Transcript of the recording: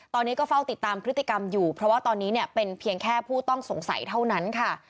ตอนนี้ก็เฝ้าติดตามพฤติกรรมอยู่เพราะว่าตอนนี้เนี่ยเป็นเพียงแค่ผู้ต้องสงสัยเท่านั้นค่ะ